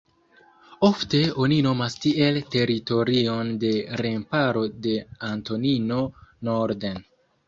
Ofte oni nomas tiel teritorion de remparo de Antonino norden.